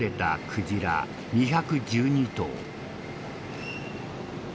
クジラ２１２頭。